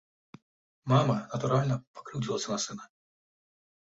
Мама, натуральна, пакрыўдзілася на сына.